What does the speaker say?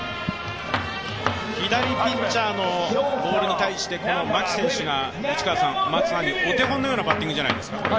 左ピッチャーのボールに対して牧選手がまさにお手本のようなバッティングじゃないですか？